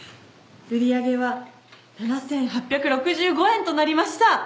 売り上げは７８６５円となりました。